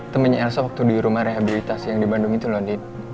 temennya elsa waktu di rumah rehabilitasi yang di bandung itu loh di